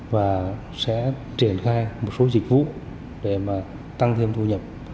và sẽ triển khai một số dịch vụ để mà tăng thêm thu nhập